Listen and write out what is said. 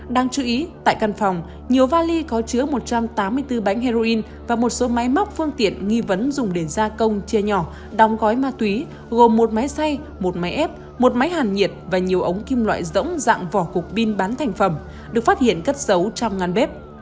đáng chú ý tại căn phòng nhiều vali có chứa một trăm tám mươi bốn bánh heroin và một số máy móc phương tiện nghi vấn dùng để gia công chia nhỏ đóng gói ma túy gồm một máy xay một máy ép một máy hàn nhiệt và nhiều ống kim loại rỗng dạng vỏ cục pin bán thành phẩm được phát hiện cất dấu trong ngăn bếp